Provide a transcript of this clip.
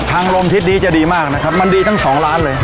ทางลมทิศนี้จะดีมากนะครับมันดีทั้งสองร้านเลย